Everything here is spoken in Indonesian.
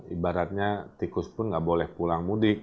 ibaratnya tikus pun nggak boleh pulang mudik